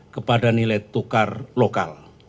kepada nilai tukar lokal